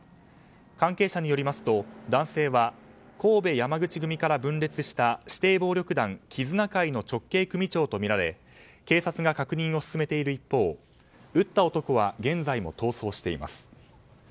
関係者によりますと男性は神戸山口組から分裂した指定暴力団絆會の直系組長とみられ警察が確認を進めている一方撃った男は現在も逃走しています。